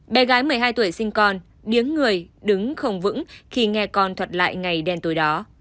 bé gái một mươi hai tuổi sinh con điếng người đứng không vững khi nghe con thuật lại ngày đen tối đó